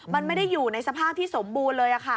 มันไม่ได้อยู่ในสภาพที่สมบูรณ์เลยค่ะ